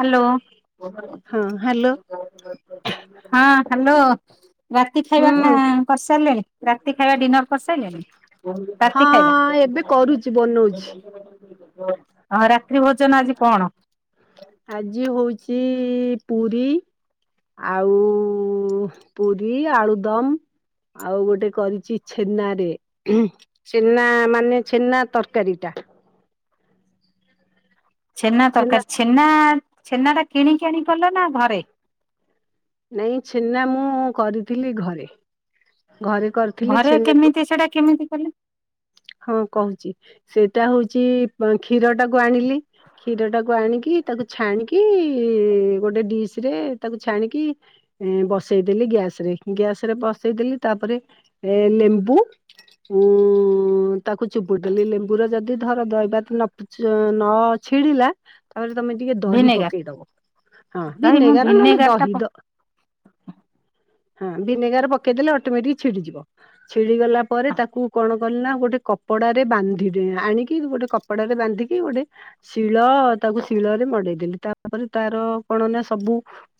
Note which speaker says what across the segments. Speaker 1: Hello.
Speaker 2: ହ [unintelligible]
Speaker 1: ହଁ hello. ରାତି ଖାଇବା
Speaker 2: ହୁଁ
Speaker 1: ହଁ କରିସାରିଲେଣି ରାତି ଖାଇବା ଡିନର୍ କରିସାରିଲେଣି। ରାତି ଖାଇବା
Speaker 2: ହଁ ଏବେ କରୁଛି ବନଉଛି।
Speaker 1: ହଁ ରା ରାତି ଭୋଜନ ଆଜି କଣ।
Speaker 2: ଆଜି ହଉଛି ପୁରୀ ଆଉ ହଁ ହଁ ପୁରୀ ଆଳୁଦମ। ଆଉ ଗୋଟେ କରିଚି ଛେନାରେ। ଛେନା ମାନେ ଛେନା ତରକାରୀ ଟା।
Speaker 1: ଛେନା ତରକାରୀ, ଛେନା ଛେନା ଟା କିଣିକି ଆଣିକି କଲ ନା ଘରେ?
Speaker 2: ନାଇଁ, ଛେନା ମୁଁ କରିଥିଲି ଘରେ। ଘରେ କରିଥିଲି
Speaker 1: ଘରେ
Speaker 2: ଛେନା
Speaker 1: କେମିତି ସେଟା କେମିତି କଲେ?
Speaker 2: ହଁ କହୁଚି, ସେଇଟା ହଉଚି [unintelligible] କ୍ଷୀର ଟାକୁ ଆଣିଲି କ୍ଷୀର ଟାକୁ ଆଣିକି, ତାକୁ ଛାଣିକି ଗୋଟେ ଡିସ୍ ରେ ତାକୁ ଛାଣିକି ଏ ବସେଇଦେଲି ଗ୍ୟାସ୍ ରେ, ଗ୍ୟାସ୍ ରେ ବସେଇଦେଲି ତାପରେ ଏ ଲେମ୍ବୁ ଉଁ, ମୁଁ ତାକୁ ଚୁପୁଡିଦେଲି ଲେମ୍ବୁ ରେ ଯଦି ଧର ଦଇବାତ୍ ପୁଛୁ ଅଁ, ନ ଛିଡିଲା ତାପରେ ତୋମେ ଟିକେ ଦହି
Speaker 1: ଭିନେଗାର
Speaker 2: ପକେଇ ଦବ, ହଁ
Speaker 1: ଭାଇ ମୁଁ
Speaker 2: ଭିନେଗାର ନହେଲେ
Speaker 1: ଟା
Speaker 2: ଦହି ଦ ହଁ ଭିନେଗାର ପକେଇଦେଲେ ଅଟୋମେଟିକ୍ ଛିଡିଯିବ। ଛିଡି ଗଲା ପରେ ତାକୁ କଣ କଲିନା ନା ଗୋଟେ କପଡାରେ ବାନ୍ଧିକି ଦେ ଆଣିକି ଗୋଟେ କପଡାରେ ବାନ୍ଧିକି ଗୋଟେ ଶିଳ, ତାକୁ ଶିଳରେ ମଡେଇଦେଲି, ତାପରେ ତାର କଣ ନା ସବୁ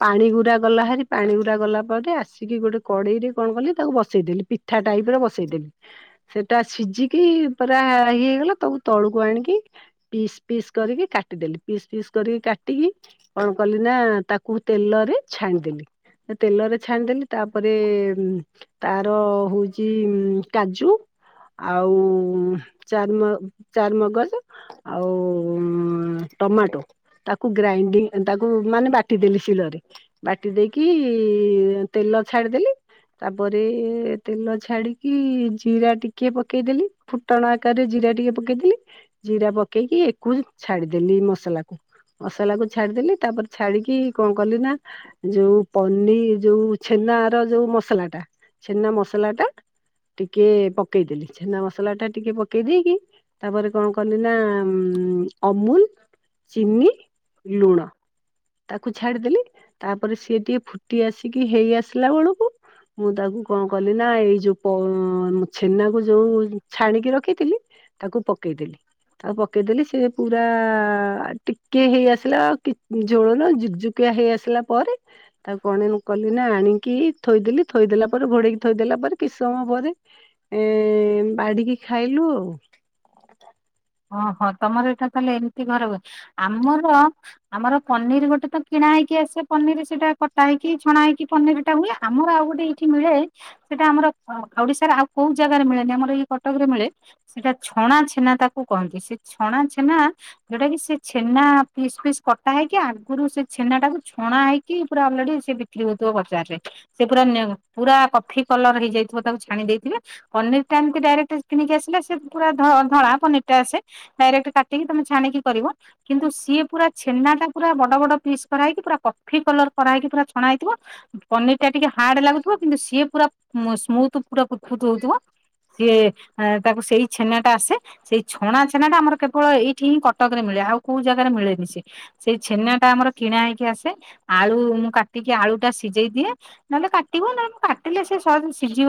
Speaker 2: ପାଣି ଗୁରା ଗଲା ହେରି ପାଣି ଗୁରା ଗଲା ପରେ ଆସିକି ଗୋଟେ କଡେଇ ରେ କଣ କଲି, ତାକୁ ବସେଇଦଲି। ପି ପିଠା ଟାଇପ୍ ର ବସେଇଦେଲି। ସେଟା ସିଜିକ୍ କି ପରା ଇଏ ହେଇଗଲା ତାକୁ ତଳୁକୁ ଆଣିକି ପିସ୍ ପିସ୍ କରିକି କାଟିଦେଲି, ପିସ୍ ପିସ୍ କରିକି କାଟିକି କଣ କଲି ନା, ତାକୁ ତେଲରେ ଛାଣିଦେଲି। ତେଲରେ ଛାଣିଦେଲି। ତାପରେ ତାର ହଉଚି କାଜୁ। ଆଉ ଚାରୁନା ଚାରୁମଗଜ। ଆଉ ଅଁ, ଟମାଟୋ ତାକୁ ଗ୍ରାଇଣ୍ଡି ତାକୁ ମାନେ ବାଟିଦେଲି ଶିଲରେ। ବାଟି ଦେଇକି ତେଲ ଛାଡିଦେଲି ତାପରେ ତେଲ ଛାଡିକି ଜିରା ଟିକେ ପକେଇଦେଲି ଫୁଟଣ ଆକାରରେ ଜିରା ଟିକେ ପକେଇଦେଲି। ଜିରା ପକେଇକି ଏକୁ ଛାଡିଦେଲି ମସଲାକୁ। ମସଲା କୁ ଛାଡିଦେଲି ତାପରେ ଛାଡିକି କଣ କଲି ନା ଯୋଉ ପନିର ଯୋଉ ଛେନ ର ଯୋଉ ମସଲା ଟା ଛେନା ମସଲା ଟା ଟିକେ ପକେଇଦେଲି। ଛେନା ମସଲା ଟା ଟିକେ ପକେଇ ଦେଇେଇକି ତାପରେ କଣ କଲି ନା ଅମୁଲ ଚିନି ଲୁଣ। ତାକୁ ଛାଡିଦେଲି ତାପରେ ସିଏ ଟିକେ ଫୁଟି ଆସିକି ହେଇ ଆସିଲା ବେଳକୁ ମୁଁ ତାକୁ କଣ କଲି ନା ଏଇ ଯୋଉ ଛେନାକୁ ଯୋଉ ଛାଣିକି ରଖିଥିଲି ତାକୁ ପକେଇଦେଲି। ଆଉ ପକେଇଦେଲି ସେ ପୁରା ଟିକେ ହେଇ ଆସିଲା ଆଉ ଝୋଳନୁ [unintelligible] ହେଇ ଆସିଲା ପରେ ତାକୁ କଣେ ମୁଁ କଲି ନା ଆଣିକି ଥୋଇଦେଲି, ଥୋଇଦେଲା ପରେ ଘୋଡେଇକି ଥୋଇଦେଲା ପରେ, କିସ ସମୟ ପରେ ଏ ବାଡିକି ଖାଇଲୁ ଆଉ।
Speaker 1: ଓହୋ ତମର ଏଇଟା ତାହେଲେ ଏମିତି ଘର ହୁ ଆମର ଆମର ପନିର ଗୋଟେ ତ କିଣା ହେଇକି ଆସେ ପନିର ସେଇଟା କଟା ହେଇକିଛଣା ହେଇକି ପନିର ଟା ହୁଏ ଆମର ଆଉ ଗୋଟେ ଏଇଠି ମିଳେ ସେଇଟା ଆମର ଓଡିଶାରେ ଆଉ କୋଉ ଜାଗାରେ ମିଳେନି ଆମର ଏଇ କଟକ ରେ ମିଳେ। ସେଟା ଛଣା ଛେନା ତାକୁ କହନ୍ତି। ସେ ଛଣା ଛେନା ଯୋଉଟା କିି ସେ ଛେନା ପିସ୍ ପିସ୍ କଟା ହେଇକି ଆଗରୁ ସେ ଛେନା ଟାକୁ ଛଣା ହେଇକି ପୁରା ଅଲରେଡି ସେ ବିକ୍ରି ହଉଥିବ ବଜାର ରେ ସେ ପୁରା ପୁରା କଫି କଲର ହେଇଯାଇଥିବ ତାକୁ ଛାଣି ଦେଇଥିବେ। ପନିର ଟା ଏମିତି ଡାଇରେକ୍ଟ କିଣିକି ଆସିଲେ ସେ ପୁରା ଧଳା ପନିର ଟା ଆସେ। ଡାଇରେକ୍ଟ କାଟିକି ତମେ ଛାଣିକି କରିବ। କିନ୍ତୁ ସିଏ ପୁରା ଛେନା ଟା ପୁରା ବଡ ବଡ ପିସ୍ କରାହେଇକି ପୁରା କଫି କଲର କରାହେଇକି ପୁରା ଛଣା ହେଇଥିବ। ପନିର ଟା ଟିକେ ହାର୍ଡ ଲାଗୁଥିବ କିନ୍ତୁ ସିଏ ପୁରା ସ୍ମୁଥ ପୁରା ପୁ ପୁଚ ପୁଚ ହଉଥିବ। ସିଏ ତାକୁ ସେଇ ଛେନା ଟା ଆସେ ସେଇ ଛଣା ଛେନା ଟା ଆମର କେବଳ ଏଇଠି ହିଁ କଟକ ରେ ମିଳେ ଆଉ କୋଉ ଜାଗାରେ ମିଳେ ସେ। ସେଇ ଛେନା ଟା ଆମର କିଣା ହେଇକି ଆସେ ଆଳୁ ମୁଁ କାଟିକି ଆଳୁ ଟା ସିଝେଇ ଦିଏ ନହେଲେ କାଟିବ ନହଲେ ମୁ କାଟେ ସେ ସ ସିଝିବ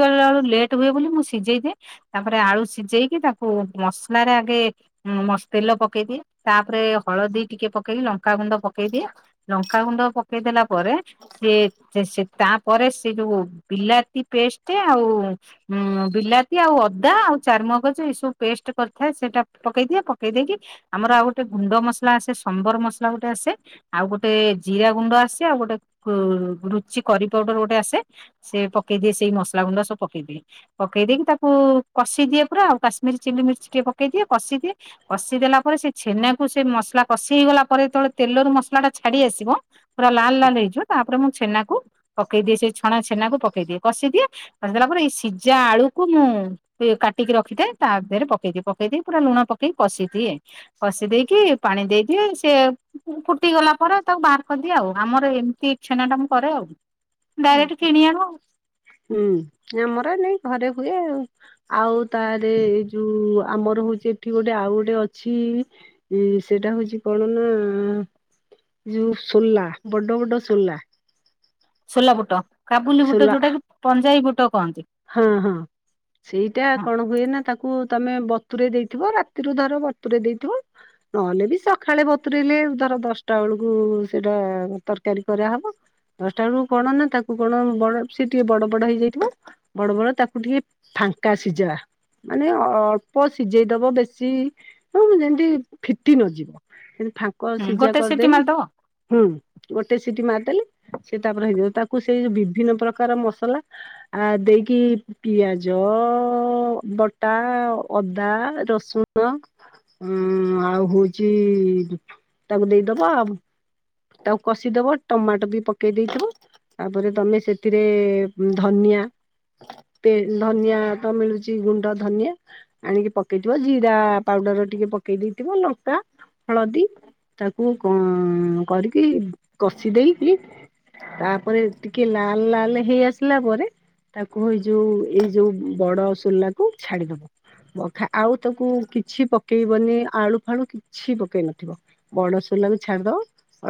Speaker 1: ଲେଟ୍ ହୁଏ ବୋଲି ମୁଁ ସିଝେଇଦିଏ। ତାପରେ ଆଳୁ ସିଝେଇକି ତାକୁ ମସଲା ରେ ଆଗେ ଁ ମସ ତେଲ ପକେଇଦିଏ ତାପରେ ହଳଦୀ ଟିକେ ପକେଇକି ଲଙ୍କାଗୁଣ୍ଡ ପକେଇଦିଏ। ଲଙ୍କାଗୁଣ୍ଡ ପକେଇ ଦେଲା ପରେ ସେ ତାପରେ ସେ ଯୋଉ ବିଲାତି ପେଷ୍ଟ ଆଉ ହଁ ବିଲାତି ଆଉ ଅଦା ଆଉ ଚାରମଗଜ ଏସବୁ ପେଷ୍ଟ କରି ଥାଏ ସେଇଟା ପକେଇ ଦିଏ ପକେଇ ଦେଇେଇକି ଆମର ଆଉ ଗୋଟେ ଗୁଣ୍ଡ ମସଲା ଆସେ ସମ୍ବର ମସଲା ଗୋଟେ ଆସେ ଆଉ ଗୋଟେ ଜିରା ଗୁଣ୍ଡ ଆସେ ଆଉ ଗୋଟେ ରୁଚି କରି ପାଉଡର ଗୋଟେ ଆସେ। ସେ ପକେଇ ଦିଏ ସେଇ ମସଲା ଗୁଣ୍ଡ ସବୁ ପକେଇ ଦିଏ। ପକେଇ ଦେଇକି ତାକୁ କଷେଇ ଦିଏ ପୁରା ଆଉ କାଶମୀରୀ ଚିଲି ମିର୍ଚ ଟିକେ ପକେଇଦିଏ କଶିଦିଏ। କଷିଦ ଦେଲା ପରେ ସେ ଛେନାକୁ ସେ ମସଲା କଷି ହେଇଗଲା ପରେ ତବେଳେ ତେଲରୁ ମସଲା ଟା ଛାଡି ଆସିବ ପୁରା ଲାଲ ଲାଲ ହେଇଯିବ ତାପରେ ମୁଁ ଛେନାକୁ ପକେଇ ଦିଏ ସେ ଛଣା ଛେନାକୁ ପକେଇ ଦିଏ କଷିଦିଏ ବାଚିଲା ପରେ ଏଇ ସିଝା ଆଳୁ କୁ ମୁଁ କାଟିକି ରଖିଥାଏ ତା ଦେହରେ ପକେଇଦିଏ। ପକେଇ ଦେଇ ପୁରା ଲୁଣ ପକେଇକ କଷି ଦିଏ କଷି ଦେଇେଇକି ପାଣି ଦେଇଦିଏ ସେ ଫୁଟିଗଲା ପରେ ତାକୁ ବାହାର କରିଦିଏ ଆଉ ଆମର ଏମିତି ଇ ଛେନା ଟା ମୁଁ କରେ ଆଉ।
Speaker 2: ହୁଁ
Speaker 1: ଡାଇରେକ୍ଟ
Speaker 2: ହଁ
Speaker 1: କିଣି ଆଣୁ ଆଉ
Speaker 2: ହୁଁ ଆମର ନାଇ ଘରେ ହୁଏ ଆଉ। ଆଉ ତାରେ ଏଇ ଯୋଉ ଆମର ହଉଛି, ଏଠି ଗୋଟେ ଆଉ ଗୋଟେ ଅଛି ଇଁ ସେଟା ହଉଛି କଣ ନା ଯୋଉ ସୋଲା, ବଡ ବଡ ସୋଲା
Speaker 1: ସୋଲା ବୁଟ, କାବୁଲି ବୁଟ
Speaker 2: ସୋଲା
Speaker 1: ଯୋଉଟାକି ପଞ୍ଜାଇ ବୁଟ କହନ୍ତି
Speaker 2: ହଁ ହଁ ସେଇଟା
Speaker 1: ହଁ
Speaker 2: କଣ ହୁଏ ନା ତାକୁ ତମେ ବତୁରେଇ ଦେଇଥିବ ରାତିରୁ ଧର ବତୁରେଇ ଦେଇଥିବ ନହେଲେ ବି ସକାଳେ ବତୁରେଇଲେ ଧର ଦଶଟା ବେଳକୁ ସେଇଟା ତରକାରୀ କରାହବ। ଦଶଟା ବେଳକୁ କଣନା ତାକୁ କଣ ବଡ ସେ ଟିକେ ବଡ ବଡ ହେଇଯାଇଥିବ ବଡ଼ ବଡ଼ ତାକୁ ଟିକେ ଫାଙ୍କା ସିଝା, ମାନେ ଅଳ୍ପ ସିଝେଇଦବ, ବେଶୀ ହଁ, ଯେମତି ଫିଟି ନଯିବ, ସେମତି ଫାଙ୍କ ସିଝା
Speaker 1: ଗୋଟେ ସିଟି
Speaker 2: କରିଦେଇକି
Speaker 1: ମାରିଦବ
Speaker 2: ହୁଁ, ଗୋଟେ ସିଟିି ମାରିଦେଲି, ସେ ତାପରେ ହେଇଯିବ। ତାକୁ ସେଇ ବିଭିନ୍ନ ପ୍ରକାର ମସଲା ଆଦେଇ କି, ପିଆଜ---ବଟା ଅଦା ରସୁଣ ହଁ---ଆଉ ହଉଛି ତାକୁ ଦେଇଦବା ଆଉ ତାକୁ କଷିଦବ, ଟମାଟୋ ବି ପକେଇ ଦେଇଥିବ ତାପରେ ତମେ ସେଥିରେ ଧନିଆ ଧନିଆ ତ ମିଳୁଚ ଗୁଣ୍ଡ ଧନିଆ ଆଣିକି ପକେଇଥିବ ଜିରା ପାଉଡର ଟିକେ ପକେଇ ଦେଇଥିବ ଲଙ୍କା ହଳଦୀ ତାକୁ କଣ କରିକି କଷି ଦେଇେଇକି ତାପରେ ଟିକେ ଲାଲ ଲାଲ ହେଇ ଆସିଲା ପରେ ତାକୁ ଏଇ ଯୋଉ ଏଇ ଯୋଉ ବଡସୋଲାକୁ ଛାଡିଦବ ଆଉ ତାକୁ କିଛି ପକେଇବନି, ଆଳୁ ଫାଳୁ କିଛି ପକେଇ ନଥିବ ବଡସୋଲାକୁୁ ଛାଡିଦେଵ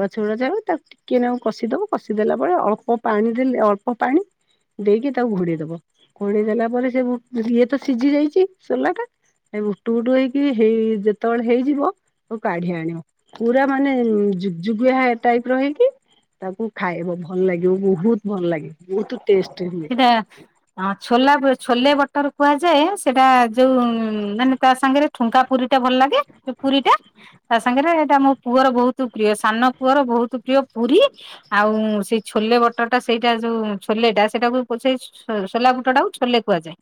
Speaker 2: ଅଳଛେଉଳଜାଉ ତାକୁ ଟିକିଏନାକୁ କଷିଦବ କଷିଦେଵାପରେ ଅଳ୍ପ ପାଣି ଦେଲେ, ଅଳ୍ପ ପାଣି ଦେଇକି ତାକୁ ଘୋଡେଇ ଦବ, ଘୋଡେଇ ଦେଲା ପରେ ସେ ଇଏ ତ ସିଝି ଯାଇଛି ସୋଲାଟା ଏ ବୁଟୁବୁଟୁ ହେଇକି ହେଇ ଯେତେବେଳେ ହେଇଯିବ ତାକୁ କାଢି ଆଣିବ, ପୁରା ମାନେ ପୁରା ଜୁକୁଜୁକିଆ ଟାଇପର ହେଇକି ତାକୁ ଖାଇବ, ଭଲ ଲାଗିବ ବହୁତ ଭଲ ଲାଗେ, ବହୁତ ଟେଷ୍ଟ ହୁଏ
Speaker 1: ହା- ହଁ, ଛୋଲା ଛୋଲେ ବଟର କୁହାଯାଏ, ସେଟା ଯୋଉ ମାନେ ତା ସାଙ୍ଗରେ ଠୁଙ୍କା ପୁରୀଟା ଭଲ ଲାଗେ, ଏ ପୁରୀଟା, ତା ସାଙ୍ଗରେ ଏଇଟା ମୋ ପୁଅର ବହୁତ ପ୍ରିୟ, ସାନ ପୁଅର ବହୁତ ପ୍ରିୟ ପୁରୀ ଆଉ ମୁଁ ସେଇ ଛୋଲେ ବଟରଟା, ସେଇଟା ଯୋଉ ଛୋଲେଟା ସେଟାକୁ ପୋଛେଇ ସୋଲାବୁଟ ଟାକୁ ଛୋଲେ କୁହାଯାଏ,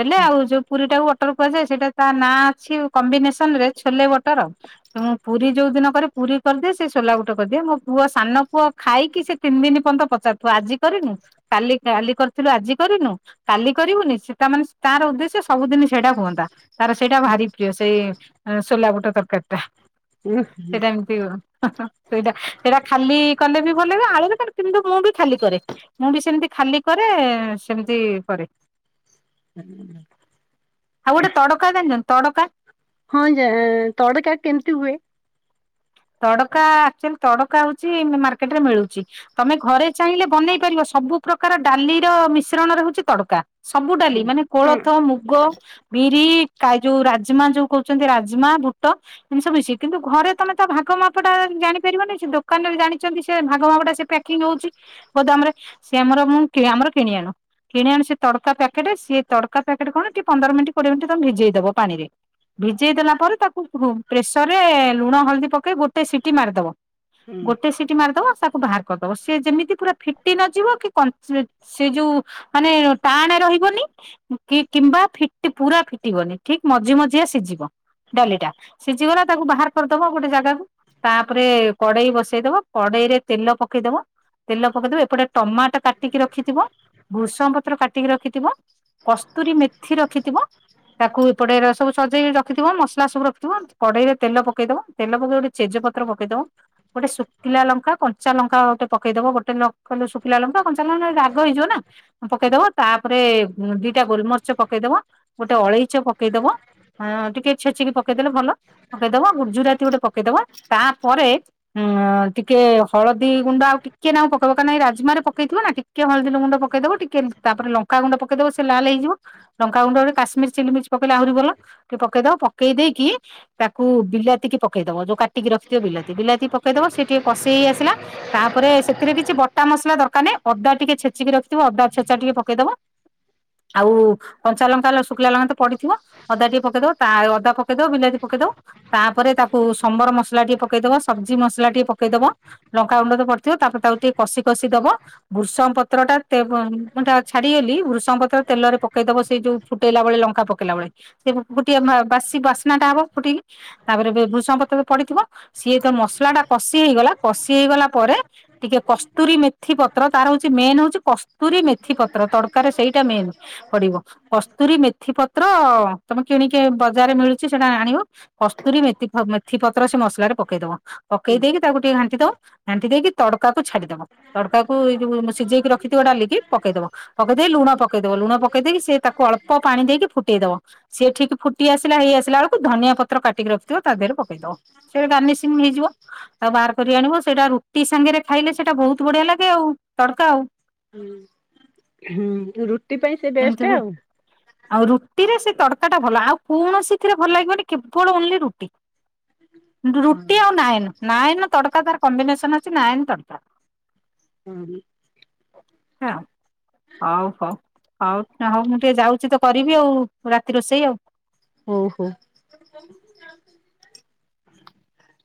Speaker 1: ହେଲେ ଆଉ ଯଉ ପୁରୀ ଟାକୁ ଟର କୁହାଯାଏ, ସେଟା ତା ନାଁ ଅଛି କମ୍ବିନେସନରେ ଛୋଲେ ବଟର ତ ମୁଁ ପୁରୀ ଯୋଉ ଦିନ କରେ ପୁରୀ କରିଦିଏ, ସେ ସୋଲାବୁଟ କରିଦିଏ ମୋ ପୁଅ ସାନ ପୁଅ ଖାଇକି ସେ ତିନିଦିନି ପର୍ଯ୍ୟନ୍ତ ପଚାରୁଥିବ, ଆଜି କରିନୁ, କାଲି କାଲି କରିଥିଲୁ ଆଜି କରିନୁ, କାଲି କରିବୁନି, ସେଟା ମାନେ ତାର ଉଦ୍ଦେଶ୍ୟ ସବୁଦିନ ସେଟା ହୁଅନ୍ତା। ତାର ସେଇଟା ଭାରି ପ୍ରିୟ ସେଇ ସୋଲା ବୁଟ ତରକାରୀଟା। ସେଇଟା ଏମିତି- ହଁ ହଁ ସେଇଟା ସେଇଟା ଖାଲି କଲେ ବି ଭଲ ଲାଗିବ ଆଳୁରେ ପଡ଼ିଲେ, କିନ୍ତୁ ମୁଁ ବି ଖାଲି କରେ ମୁଁ ବି ସେମିତି ଖାଲି କରେ, ସେମିତି କରେ
Speaker 2: ହୁଁ [inaudible]
Speaker 1: ଆଉ ଗୋଟେ ତଡକା ଜାଣିଚନ୍ତି, ତଡକା
Speaker 2: ହଁ, ଯା ତଡକା କେମିତି ହୁଏ?
Speaker 1: ତଡକା, ଆକ୍ଚୁଆଲି ତଡକା ହଉଛି ମାର୍କେଟରେ ମିଳୁଛି। ତମେ ଘରେ ଚାହିଁଲେ ବନେଇ ପାରିବ, ସବୁ ପ୍ରକାର ଡାଲିର ମିଶ୍ରଣରେ ହଉଛି ତଡକା। ସବୁଡାଲି,
Speaker 2: ହୁଁ
Speaker 1: ମାନେ କୋଳଥ ମୁଗ ବିରି କାଯୋଉ ରାଜମା ଯୋଉ କହୁଛନ୍ତି ରାଜମା ଭୁଟ ଏମିତିସବୁ ମିଶି, କିନ୍ତୁ ଘରେ ତମେ ତ ଭାଗମାପଟା ଜାଣିପାରିବନି, ସେ ଦୋକାନରେ ଜାଣିଛନ୍ତି ସେ ଭାଗମାପଟା ସେ ପ୍ୟାକିଂ ହଉଛି ଗୋଦାମରେ, ସେ ଆମର ମୁଁ ଆମର କିଣି ଆଣୁ କିଣି ଆଣି ସେ ତଡକା ପ୍ୟାକେଟ ସିଏ ତଡକା ପ୍ୟାକଟ କଣ, ଟିକେ ପନ୍ଦର ମିନଟ କୋଡିଏ ମିନିଟ ତମେ ଭିଜେଇଦବ ପାଣିରେ ଭିଜେଇ ଦେଲା ପରେ, ତାକୁ ପ୍ରେସରରେ ଲୁଣ ହଳଦୀ ପକେଇ ଗୋଟେ ସିଟି ମାରିଦବ,
Speaker 2: ହୁଁ
Speaker 1: ଗୋଟେ ସିଟି ମାରିଦବ ତାକୁ ବାହାର କରିଦବ ସିଏ ଯେମିତି ପୁରା ଫିଟି ନଯିବ କି ସେ ଯୋଉ ମାନେ ଟାଣେ ରହିବନି କି କିମ୍ବା ପୁରା ଫିଟିବନି ଠିକ ମଝି ମଝିଆ ସିଝିବ ଡାଲିଟା ସିଝିଗଲା ତାକୁ ବାହାର କରିଦବ ଗୋଟେ ଜାଗାକୁ ତାପରେ କଡେଇ ବସେଇଦବ କଡେଇରେ ତେଲ ପକେଇଦବ ତେଲ ପକେଇଦବ ଏପଟେ ଟମାଟୋ କାଟିକି ରଖିଥିବ ଭୃଷଣ ପତ୍ର କାଟିକି ରଖିଥିବ କସ୍ତୁରୀ ମେଥି ରଖିଥିବ ତାକୁ ଏପଡେଇରେ ସବୁ ସଜେଇକି ରଖିଥିବ ମସଲା ସବୁ ରଖିଥିବ କଡେଇରେ ତେଲ ପକେଇଦବ ତେଲ ତା ପରେ ଗୋଟେ ଚେଜ ପତ ପକେଇ ଦବ ଗୋଟେ ଶୁଖିଲା ଲଙ୍କା କଞ୍ଚା ଲଙ୍କା ଗୋଟେ ପକେଇଦବ ଗୋଟେ ଲ ଶୁଖିଲା ଲଙ୍କା କଞ୍ଚା ଲଙ୍କା ନେଲେ ରାଗ ହେଇଯିବ ନା ପକେଇଦବ ତାପରେ ଉମ ଦିଟା ଗୋଲମରିଚ ପକେଇଦବ ଗୋଟେ ଅଳେଇଚ ପକେଇଦବ। ହ ଟିକେ ଛେଚିକି ପକେଇଦେଲେ ଭଲ ପକେଇଦବା ଗୁଜୁରାତି ଗୋଟେ ପକେଇଦବା ତାପରେ ହଁ ଟିକେ ହଳଦୀ ଗୁଣ୍ଡ ଆଉ ଟିକେ ନାଁ ପକେଇବ କ ଏ ରାଜମାରେ ପକେଇଥିବ ନା ଟିକେ ହଳଦୀ ଗୁଣ୍ଡ ପକେଇଦବ ଟିକେ ତାପ ଲଙ୍କାଗୁଣ୍ଡ ପକେଇଦବ ସେ ଲାଲ ହେଇଯିବ। ଲଙ୍କାଗୁଣ୍ଡରେ କାଶ୍ମୀର ଚିଲି ମିରିଚ ପକେଇଲେ ଆହୁରି ଭଲ ଟିକେ ପକେଇଦବ ଉ ପକେଇ ଦେଇକି ତାକୁ ବିଲାତିକି ପକେଇ ଦବ ଯୋଉକାଟିକି ରଖିଥିବ ବିଲାତି ବିଲାତି ପକେଇ ଦବ ସିଏ ଟିକେ କଷେଇ ହେଇ ଆସିଲା ତାପରେ ସେଥିରେ କିଛି ବଟା ମସଲା ଦରକାର ନାଇଁ ଅଦା ଟିକେ ଛେଚିକି ରଖିଥିବ ଅଦା ଛେଚା ଟିକେ ପକେଇଦବ ଆଉ କଞ୍ଚାଲଙ୍କା ଶୁଖିଲା ଲଙ୍କା ତ ପଡିଥିବ ଅଦା ଟିକେ ପକେଇ ଦଉ ତା ଅଦା ପକେଇ ଦଉ ବିଲାତି ପକେଇ ଦଉ ତାପରେ ତା କୁ ସମ୍ବର ମସଲା ଟିକେ ପକେଇଦବ ସବଜି ମସଲା ଟିକେ ପକେଇଦବ ଲଙ୍କା ଗଣ୍ଡ ପଡିଥିବ ତାପରେ ତାକୁ ଟିକେ କଷି କଷି ଦବ ବୃଷଙ୍ଗ ପତ୍ର ଟା [unintelligible] ଛାଡିଗଲି ବୃଷଙ୍ଗ ପତ୍ର ତେଲରେ ପକେଇ ଦବ ସେଇ ଯୋଉ ଫୁଟେଇଲା ବଳେ ଲଙ୍କା ପକେଇଲା ବଳେ ସେ ଗୋଟଏ ବାସି ବାସ୍ନାଟା ହବ ଫୋଟିକି ତାପରେ ଭୁ ଭୃଷୁଙ୍ଗା ପତ୍ର ପଡିଥିବ ସିଏ ତ ମସଲା ଟା କଷି ହେଇଗଲା କଷି ହେଇଗଲା ପରେ ଟିକେ କସ୍ତୁରୀ ମେଥି ପତ୍ର ତାର ହଉଛି ମେନ ହଉଛି କସ୍ତୁରୀ ମେ ଥି ପତ୍ର ତଡକାରେ ସେଇଟା ମେନ୍ ପଡିବ କସ୍ତୁରୀ ମେଥି ପତ୍ର ତମେ କିଣିକି ବଜାରରେ ମିଳୁଛି ସେଇଟା ଆଣିବ ପ କସ୍ତୁରୀ ମେତି ଥି ପତ୍ର ସେ ମସଲାରେ ପକେଇଦବ ପକେଇ
Speaker 2: ହୁଁ
Speaker 1: ଦେଇକି ତାକୁ ଟିକେ ଘାଣ୍ଟି ଦବ ଘାଣ୍ଟି ଦେଇକି ତଡ଼କାକୁ ଛାଡ଼ିଦବ। ତଡକାକୁଉ ସିଝେଇକି ରଖିଥିବ ଡାଲିକି ପକେଇଦବ ପକେଇ ଦେଇେ ଲୁଣ ପକେଇଦବ ଲୁଣ ପକେଇ ଦେଇେଇି ସେ ତାକୁ ଅଳ୍ପ ପାଣି ଦେଇକି ଫୁଟେଇ ଦବ ସିଏ ଠିକ୍ ଫୁଟି ଆସିଲା ହେଇଆସିଲା ବେଳକୁ ଧନିଆ ପତ୍ର କାଟିକି ରଖିଥିବ ତା ଧେରେ ପ କେଇଦବ ସେଟା ଗାର୍ନିସିଂ ହେଇଯିବ। ଆଉ ବାହାର କରି ଆଣିବ ସେଇଟା ରୁଟି ସାଙ୍ଗରେ ଖାଇଲେ ସେଇଟା ବହୁତ ବଢିଆ ଲାଗେ ଆଉ ତଡକା ଆଉ।
Speaker 2: ହୁଁ ରୁଟି ପାଇଁ ସେ
Speaker 1: ଏମିତି
Speaker 2: ବେଷ୍ଟ
Speaker 1: ହୁଏ
Speaker 2: ଆଉ।
Speaker 1: ଆଉ ରୁଟିରେ ସେ ତଡକା ଟା ଭଲ ଆଉ କୌଣସି ଥିରେ ଭଲ ଲାଗିବନି କେବଳ ଓନ୍ଲି ରୁଟି।
Speaker 2: ହଁ
Speaker 1: ରୁଟି ଆଉ ନାଏନ୍, ନାଏନ୍ ତଡକା ତାର କମ୍ବିନେସନ୍ ଅଛି ନାଏନ୍ ତଡକା।
Speaker 2: [unintelligible]
Speaker 1: ହଁ। ହଉ-ହଉ-ହଉ-ହଉ ମୁଁ ଟିକେ ଯାଉଚି ତ କରିବି ଆଉ ରାତି ରୋଷେଇ ଆଉ।
Speaker 2: ହଉ-ହଉ।